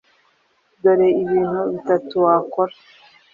Dore ibintu bitatu wakora